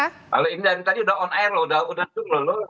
halo ini dari tadi udah on air loh udah dulu loh